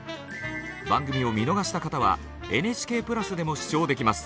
番組を見逃した方はＮＨＫプラスでも視聴できます。